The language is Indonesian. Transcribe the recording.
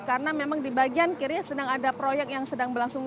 karena memang di bagian kiri sedang ada proyek yang sedang berlangsung